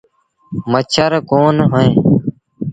مڇر ڪوند هوئيݩ۔